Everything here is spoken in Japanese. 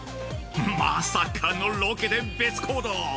◆まさかの、ロケで別行動！